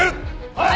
はい！